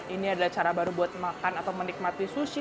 ini adalah cara baru buat makan atau menikmati sushi